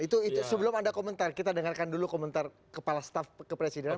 itu sebelum anda komentar kita dengarkan dulu komentar kepala staff kepresidenan